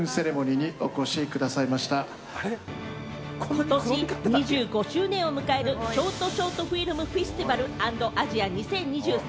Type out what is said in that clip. ことし２５周年を迎えるショートショートフィルムフェスティバル＆アジア２０２３。